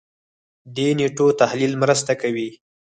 دې نېټو تحلیل مرسته کوي.